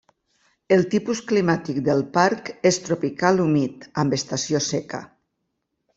El tipus climàtic del parc és tropical humit amb estació seca.